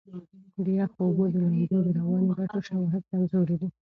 د یخو اوبو د لامبو د رواني ګټو شواهد کمزوري دي.